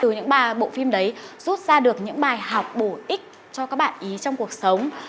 từ những bộ phim đấy rút ra được những bài học bổ ích cho các bạn ý trong cuộc sống